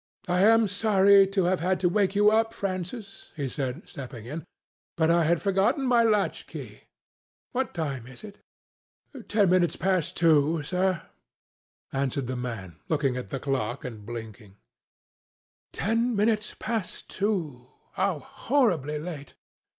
"I am sorry to have had to wake you up, Francis," he said, stepping in; "but I had forgotten my latch key. What time is it?" "Ten minutes past two, sir," answered the man, looking at the clock and blinking. "Ten minutes past two? How horribly late!